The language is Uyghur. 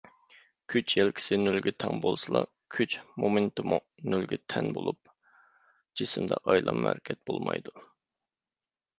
كۈچ يەلكىسى نۆلگە تەڭ بولسىلا، كۈچ مومېننتىمۇ نۆلگە تەن بولۇپ، جىسىمدا ئايلانما ھەرىكەت بولمايدۇ.